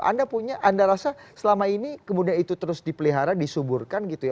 anda punya anda rasa selama ini kemudian itu terus dipelihara disuburkan gitu ya